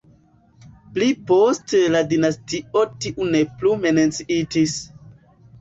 Pli poste la dinastio tiu ne plu menciitis.